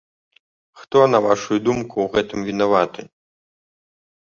Хто, на вашую думку, у гэтым вінаваты?